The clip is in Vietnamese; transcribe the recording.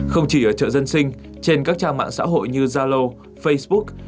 không chỉ ở chợ dân sinh trên các trang mạng xã hội như zalo facebook